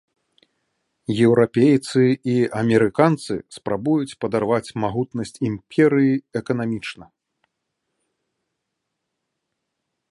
Еўрапейцы і амерыканцы спрабуюць падарваць магутнасць імперыі эканамічна.